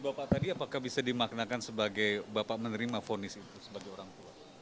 bapak tadi apakah bisa dimaknakan sebagai bapak menerima ponis itu sebagai orang tua